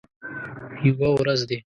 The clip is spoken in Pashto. یوه ورځ دي